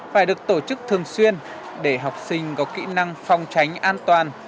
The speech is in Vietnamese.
phải được tổ chức thường xuyên để học sinh có kỹ năng phòng tránh an toàn